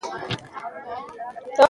يوه هم په واقعيت بدله نشوه